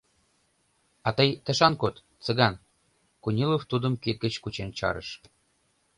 А тый тышан код, Цыган, — Кунилов тудым кид гыч кучен чарыш.